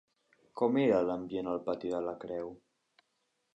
Com era l'ambient al pati de la Creu?